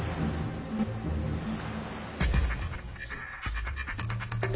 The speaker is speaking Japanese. うん。